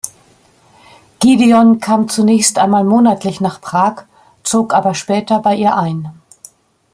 Gideon kam zunächst einmal monatlich nach Prag, zog aber später bei Ihr ein.